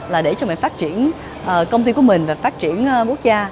là để cho mình phát triển công ty của mình và phát triển quốc gia